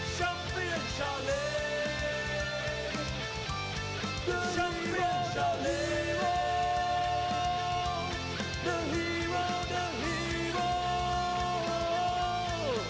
ชัมปียนส์ชัลเลนจ์